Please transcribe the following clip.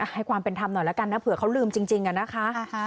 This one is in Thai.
ให้ความเป็นธรรมหน่อยแล้วกันนะเผื่อเขาลืมจริงอะนะคะ